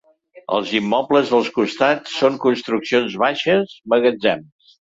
Els immobles dels costats són construccions baixes, magatzems.